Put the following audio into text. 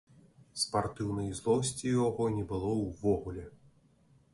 Спартыўнай злосці ў яго не было ўвогуле.